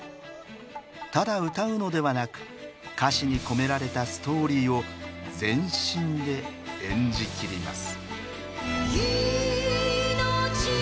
ただ歌うのではなく歌詞に込められたストーリーを全身で演じきります。